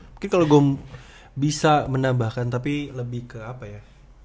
mungkin kalau gue bisa menambahkan tapi lebih ke apa ya